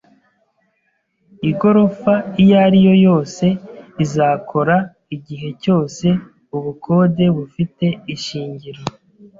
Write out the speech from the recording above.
Igorofa iyo ari yo yose izakora igihe cyose ubukode bufite ishingiro.